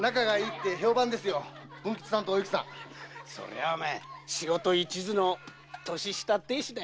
そりゃ仕事一途の年下亭主だ。